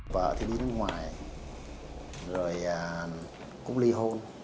vợ thì đi nước ngoài rồi cũng ly hôn